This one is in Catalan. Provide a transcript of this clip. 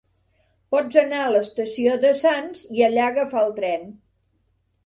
Pots anar a l'Estació de Sants i allà agafar el tren.